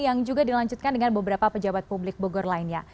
yang juga dilanjutkan dengan beberapa pejabat publik bogor lainnya